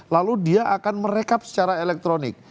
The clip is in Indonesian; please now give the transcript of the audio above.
lalu dia akan merekap secara elektronik